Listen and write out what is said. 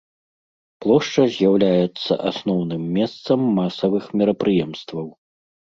Плошча з'яўляецца асноўным месцам масавых мерапрыемстваў.